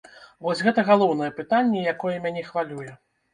Вось гэта галоўнае пытанне, якое мяне хвалюе.